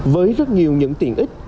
với rất nhiều những tiện ích